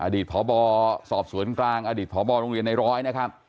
อดีตพบสอบสวนกลางอดีตพบโรงเรียนในร้อยนะครับ